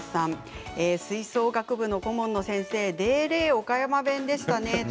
吹奏楽部の顧問の先生でーれー岡山弁でしたね。